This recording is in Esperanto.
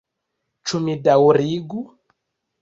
Ĉu mi daŭrigu?